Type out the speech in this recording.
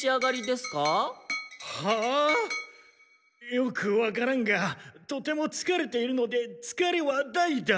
よくわからんがとてもつかれているのでつかれは大だ。